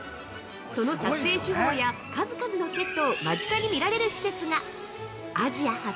その撮影手法や数々のセットを間近に見られる施設がアジア初！